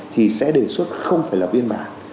thì sẽ đề xuất không phải là biên bản